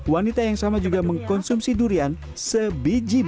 wanita yang sama juga mengkonsumsi durian sebiji